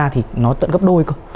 thì nó tận gấp đôi cơ